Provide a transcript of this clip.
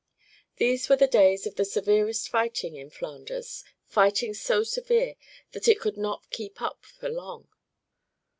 These were the days of the severest fighting in Flanders, fighting so severe that it could not keep up for long.